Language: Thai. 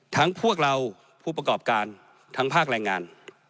พวกเราผู้ประกอบการทั้งภาคแรงงาน